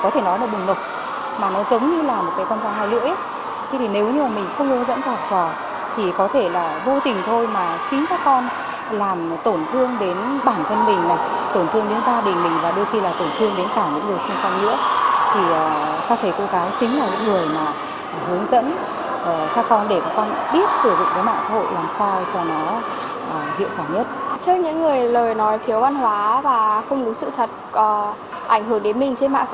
trước những người lời nói thiếu văn hóa và không đúng sự thật ảnh hưởng đến mình trên mạng xã hội